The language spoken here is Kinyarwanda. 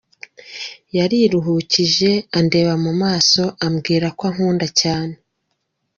Yariruhukije, andeba mu maso, arambwira ko ankunda cyane.